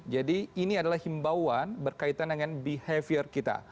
jadi ini adalah himbauan berkaitan dengan behavior kita